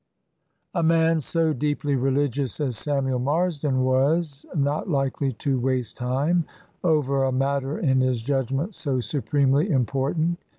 A man so deeply religious as Samuel Marsden was not likely to waste time over a matter in his judgment so supremely important.